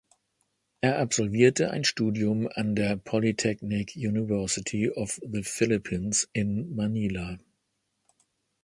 Er absolvierte ein Studium an der Polytechnic University of the Philippines in Manila.